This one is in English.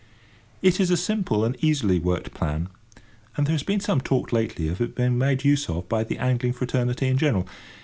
It is a simple and easily worked plan, and there has been some talk lately of its being made use of by the angling fraternity in general.